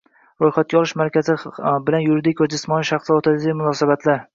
Ro‘yxatga olish markazi bilan yuridik va jismoniy shaxslar o‘rtasidagi munosabatlar